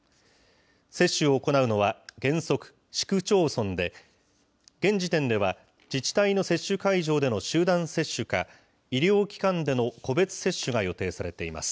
接種を行うのは原則、市区町村で、現時点では自治体の接種会場での集団接種か、医療機関での個別接種が予定されています。